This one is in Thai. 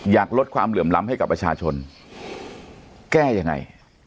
อยากลดความเหลื่อมล้ำให้กับประชาชนแก้ยังไง